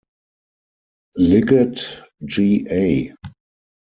Liggett, G. A.